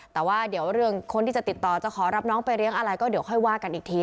แต่ว่าเดี๋ยวเรื่องคนที่จะติดต่อจะขอรับน้องไปเลี้ยงอะไรก็เดี๋ยวค่อยว่ากันอีกที